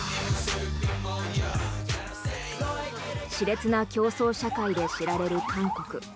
熾烈な競争社会で知られる韓国。